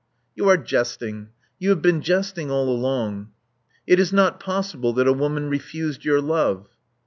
*' You are jesting: you have been jesting all along. It is not possible that a woman refused your love."